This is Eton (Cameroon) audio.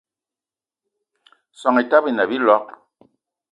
Soan Etaba ine a biloig